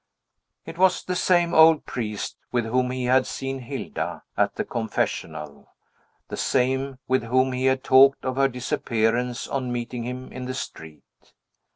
It was the same old priest with whom he had seen Hilda, at the confessional; the same with whom he had talked of her disappearance on meeting him in the street.